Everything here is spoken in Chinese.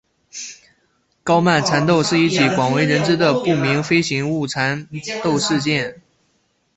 高曼缠斗是一起广为人知的不明飞行物缠斗事件。